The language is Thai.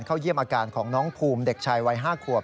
เยี่ยมอาการของน้องภูมิเด็กชายวัย๕ขวบ